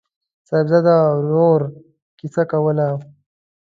صاحبزاده ورور کیسه کوله.